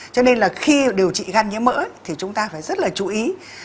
cho nên là khi điều trị gan nhiễm mỡ thì chúng ta phải rất là chú ý